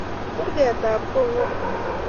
Kurgeetap Koong'ung.